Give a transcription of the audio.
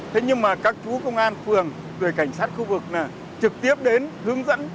thế nhưng mà các chú công an phường rồi cảnh sát khu vực trực tiếp đến hướng dẫn